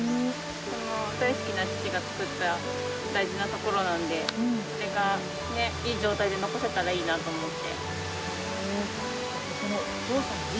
大好きな父が作った大事な所なんで、そこが、いい状態で残せたらいいなと思って。